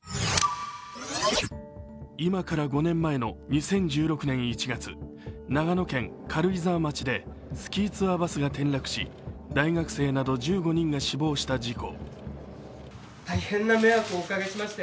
今から５年前の２０１６年１月、長野県軽井沢町でスキーツアーバスが転落し大学生など１５人が死亡した事故。